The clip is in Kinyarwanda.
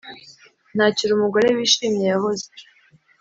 ] ntakiri umugore wishimye yahoze.